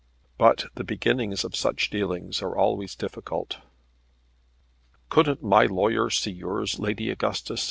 But the beginnings of such dealings are always difficult. "Couldn't my lawyer see yours, Lady Augustus?"